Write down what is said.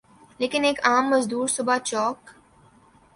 لیکن ایک عام مزدور جو صبح چوک